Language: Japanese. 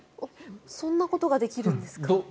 そんなことができるんですか？